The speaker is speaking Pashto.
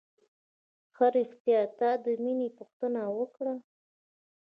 ښه رښتيا تا د مينې پوښتنه وکړه.